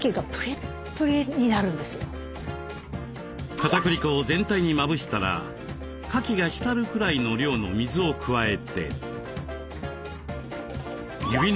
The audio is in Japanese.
かたくり粉を全体にまぶしたらかきが浸るくらいの量の水を加えて。